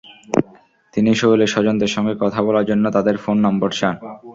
তিনি সোহেলের স্বজনদের সঙ্গে কথা বলার জন্য তাঁদের ফোন নম্বর চান।